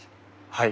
はい。